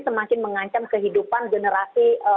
semakin mengancam kehidupan generasi